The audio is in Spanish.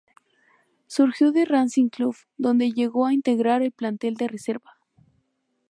Surgió de Racing Club, donde llegó a integrar el plantel de Reserva.